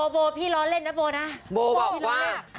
โบ่อพี่ล้อเล่นนะโบ่นะ